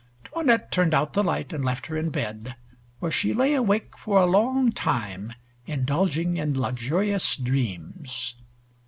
'Toinette turned out the light and left her in bed, where she lay awake for a long time, indulging in luxurious dreams.